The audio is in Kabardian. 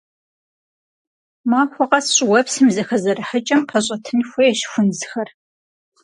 Махуэ къэс щӏыуэпсым и зэхэзэрыхьыкӏэм пэщӏэтын хуейщ хунзхэр.